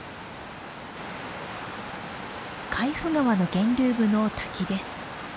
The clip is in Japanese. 海部川の源流部の滝です。